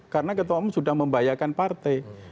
karena ketua umum sudah membahayakan partai